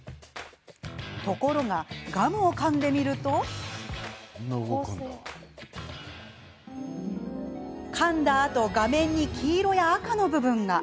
ところが、ガムをかんでみるとかんだあと画面に黄色や赤の部分が。